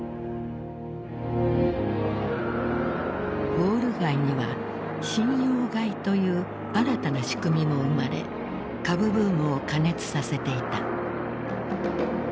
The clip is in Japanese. ウォール街には信用買いという新たな仕組みも生まれ株ブームを過熱させていた。